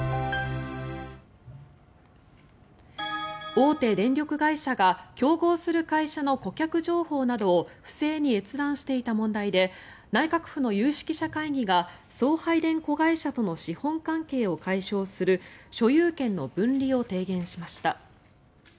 大手電力会社が競合する会社の顧客情報などを不正に閲覧していた問題で内閣府の有識者会議が送配電子会社との資本関係を解消する所有権の分離を提言しました。